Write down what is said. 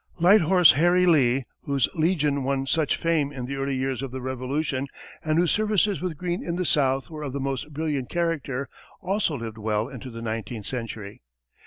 "Light Horse Harry" Lee, whose "Legion" won such fame in the early years of the Revolution and whose services with Greene in the South were of the most brilliant character, also lived well into the nineteenth century.